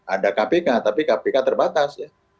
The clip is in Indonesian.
ada kpk tapi kpk terbatas ya